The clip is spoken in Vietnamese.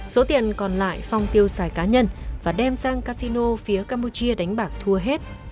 số tiền còn lại phong tiêu xài cá nhân và đem sang casino phía campuchia đánh bạc thua hết